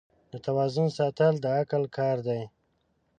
د توازن ساتل د عقل کار دی.